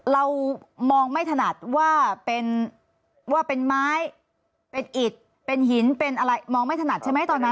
เรามองไม่ถนัดว่าเป็นว่าเป็นไม้เป็นอิดเป็นหินเป็นอะไรมองไม่ถนัดใช่ไหมตอนนั้น